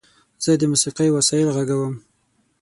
زه د موسیقۍ وسایل غږوم.